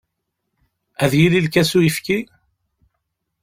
Ad yili lkas uyefki?